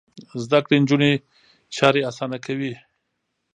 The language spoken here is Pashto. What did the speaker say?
زده کړې نجونې چارې اسانه کوي.